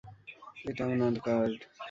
এটা উনার কার্ড।